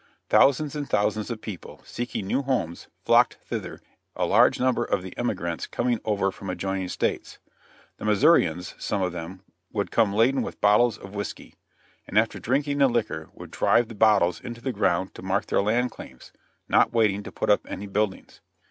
Thousands and thousands of people, seeking new homes, flocked thither, a large number of the emigrants coming over from adjoining states. The Missourians, some of them, would come laden with bottles of whisky, and after drinking the liquor would drive the bottles into the ground to mark their land claims, not waiting to put up any buildings.